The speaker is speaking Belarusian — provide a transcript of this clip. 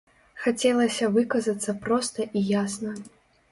Хацелася выказацца проста і ясна.